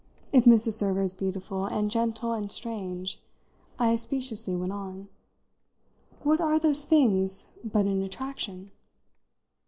If Mrs. Server is beautiful and gentle and strange," I speciously went on, "what are those things but an attraction?"